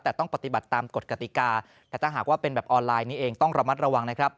แต่ต้องปฏิบัติตามกฎกติกาแต่ถ้าหากว่าเป็นแบบออนไลน์นี้เองต้องระมัดระวังนะครับ